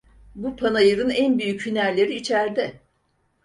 Bu panayırın en büyük hünerleri içerde.